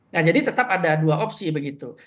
nah jadi tetap ada dua opsi begitu